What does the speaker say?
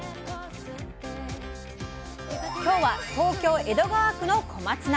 今日は東京江戸川区の小松菜。